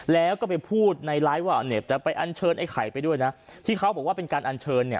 แล้วก็ไปพูดในไลฟ์ว่าเนี่ยจะไปอันเชิญไอ้ไข่ไปด้วยนะที่เขาบอกว่าเป็นการอัญเชิญเนี่ย